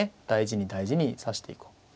大事に大事に指していこう。